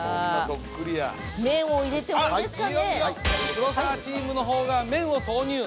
黒沢チームのほうが麺を投入！